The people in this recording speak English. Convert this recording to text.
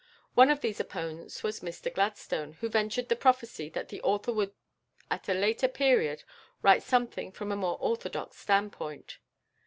One of these opponents was Mr Gladstone, who ventured the prophecy that the author would at a later period write something from a more orthodox standpoint.